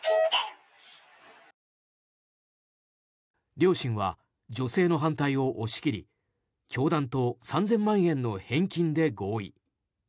両親は女性の反対を押し切り教団と３０００万円の返金で合意。